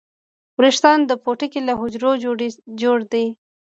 ویښتان د پوټکي له حجرو جوړ دي